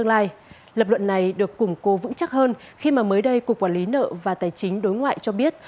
lập luận này được củng cố vững chắc hơn khi mà mới đây cục quản lý nợ và tài chính đối ngoại cho biết